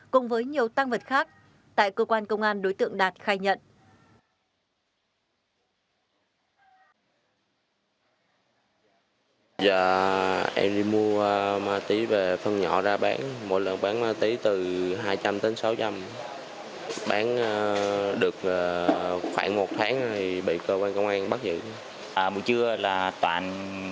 cùng với nhiều tăng vật khác tại cơ quan công an đối tượng đạt khai nhận